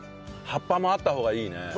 葉っぱもあった方がいいね。